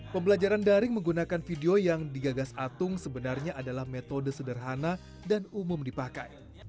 pembelajaran daring menggunakan video yang digagas atung sebenarnya adalah metode sederhana dan umum dipakai